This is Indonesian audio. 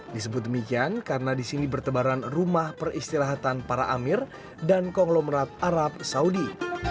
disebut demikian karena di sini bertebaran rumah peristirahatan para amir dan konglomerat arab saudi